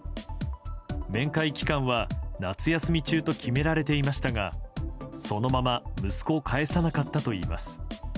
面会期間は夏休み中と決められていましたがそのまま息子を帰さなかったといいます。